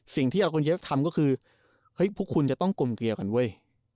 สิ่งที่อาคุณเยฟทำก็คือเฮ้ยพวกคุณจะต้องกลมเกลียกันเว้ย